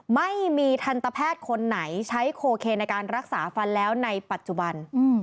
ไม่มีทันตแพทย์คนไหนใช้โคเคนในการรักษาฟันแล้วในปัจจุบัน